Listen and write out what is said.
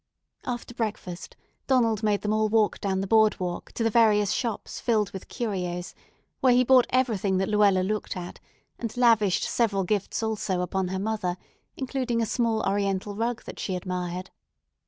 After breakfast Donald made them all walk down the board walk to the various shops filled with curios, where he bought everything that Luella looked at, and lavished several gifts also upon her mother, including a small Oriental rug that she admired.